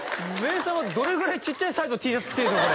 ーさんはどれぐらいちっちゃいサイズのＴシャツ着てるんですか？